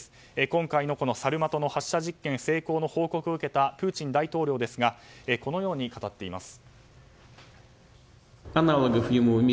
今回のサルマトの発射実験の成功の報告を受けたプーチン大統領ですがこのように語っています。